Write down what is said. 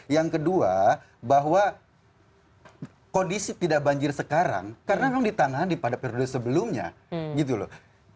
yang kedua bahwa kondisi tidak banjir sekarang karena memang ditangani pada periode sebelumnya gitu loh